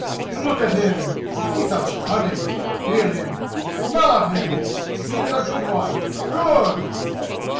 Look at him! See such cunning! Feel him! Smell of him! He is a good one good!"